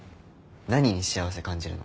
何に幸せ感じるの？